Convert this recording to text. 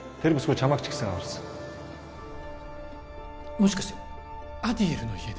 もしかしてアディエルの家で？